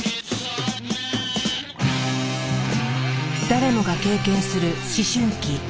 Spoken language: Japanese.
誰もが経験する思春期。